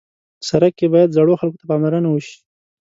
سړک کې باید زړو خلکو ته پاملرنه وشي.